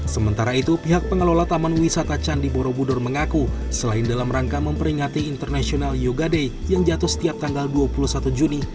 sementara itu pihak pengelola taman wisata candi borobudur mengaku selain dalam rangka memperingati international yoga day yang jatuh setiap tanggal dua puluh satu juni